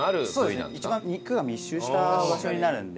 そうですね一番肉が密集した場所になるので。